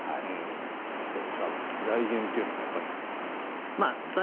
どうでしょう、安部さん財源というのは大事です。